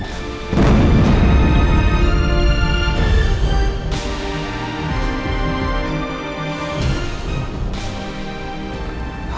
nggak ada artinya